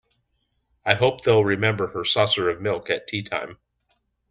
I hope they’ll remember her saucer of milk at tea-time.